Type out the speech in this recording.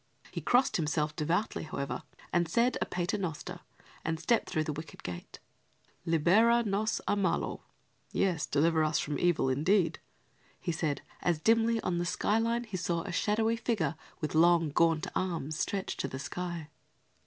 He crossed himself devoutly, however, and said a Paternoster and stepped through the wicket gate. "'Libera nos a malo,' yes, deliver us from evil, indeed," he said, as, dimly on the sky line he saw a shadowy figure with long gaunt arms stretched to the sky.